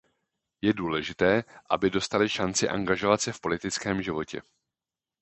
Je důležité, aby dostaly šanci angažovat se v politickém životě.